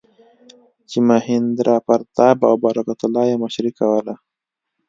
چې مهیندراپراتاپ او برکت الله یې مشري کوله.